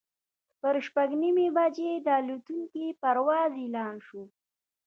پر شپږ نیمې بجې د الوتکې پرواز اعلان شو.